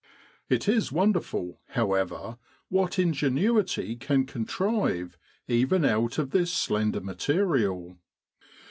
It is wonderful, how ever, what ingenuity can contrive even out of this slender material.